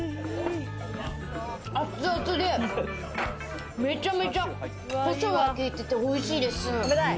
熱々でめちゃめちゃコショウが効いてておいしいです。